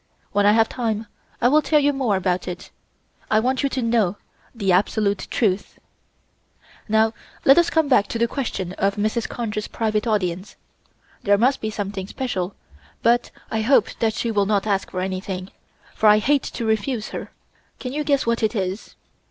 When I have time, I will tell you more about it. I want you to know the absolute truth. "Now let us come back to the question of Mrs. Conger's private audience. There must be something special, but I hope that she will not ask for anything, for I hate to refuse her. Can you guess what it is?"